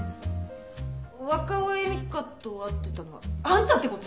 若尾恵美香と会ってたのはあんたって事？